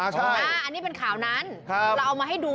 อันนี้เป็นข่าวนั้นเราเอามาให้ดู